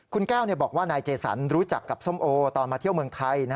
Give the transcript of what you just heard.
คุณแก้วบอกว่านายเจสันรู้จักกับส้มโอตอนมาเที่ยวเมืองไทย